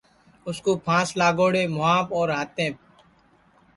اُس کُو پھانٚس لاگوڑے مُہاپ اور ہاتیںٚپ